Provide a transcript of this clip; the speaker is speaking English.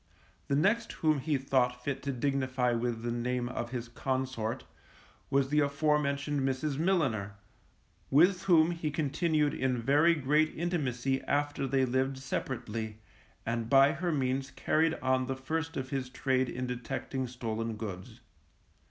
The next whom he thought fit to dignify with the name of his consort, was the afore mentioned Mrs. Milliner, with whom he continued in very great intimacy after they lived separately, and by her means carried on the first of his trade in detecting stolen goods.